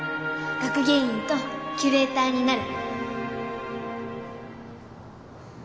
学芸員とキュレーターになる